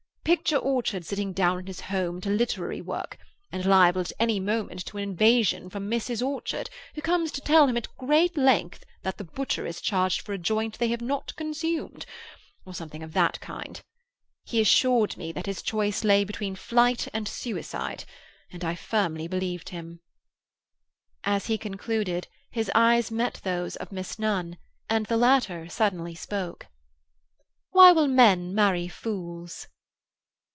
Picture Orchard sitting down in his home to literary work, and liable at any moment to an invasion from Mrs. Orchard, who comes to tell him, at great length, that the butcher has charged for a joint they have not consumed—or something of that kind. He assured me that his choice lay between flight and suicide, and I firmly believed him." As he concluded, his eyes met those of Miss Nunn, and the latter suddenly spoke. "Why will men marry fools?"